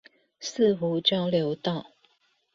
四湖交流道